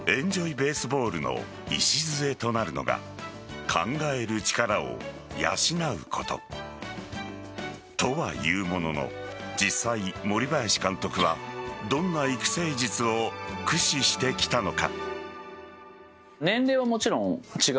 ・ベースボールの礎となるのが考える力を養うこと。とはいうものの実際、森林監督はどんな育成術を駆使してきたのか。